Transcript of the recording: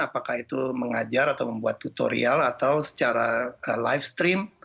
apakah itu mengajar atau membuat tutorial atau secara live stream